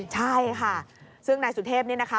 ใช่ค่ะซึ่งนายสุเทพนี่นะคะ